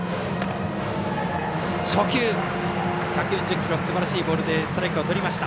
初球、１４０キロのすばらしいボールでストライクとりました。